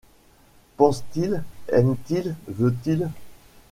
Pense-t-il ? aime-t-il ? veut-il ?